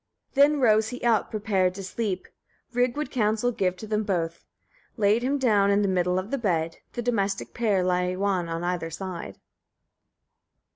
5. Then rose he up, prepared to sleep: Rig would counsel give to them both; laid him down in the middle of the bed; the domestic pair lay one on either side.